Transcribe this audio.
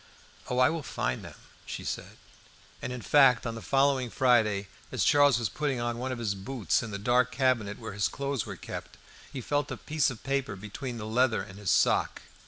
"Oh, I will find them," she said. And, in fact, on the following Friday, as Charles was putting on one of his boots in the dark cabinet where his clothes were kept, he felt a piece of paper between the leather and his sock.